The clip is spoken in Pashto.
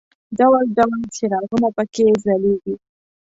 ډول ډول څراغونه په کې ځلېږي.